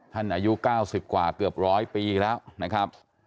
ท่านอายุเก้าสิบกว่าเกือบร้อยปีแล้วนะครับ